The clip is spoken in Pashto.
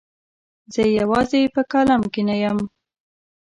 زه یوازې په کالم کې نه یم.